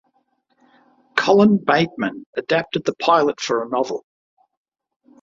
Colin Bateman adapted the pilot for a novel.